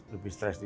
lebih stres di